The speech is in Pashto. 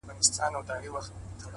• چي فرعون غوندي په خپل قدرت نازیږي ,